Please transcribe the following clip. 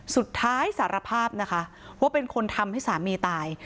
สารภาพนะคะว่าเป็นคนทำให้สามีตาย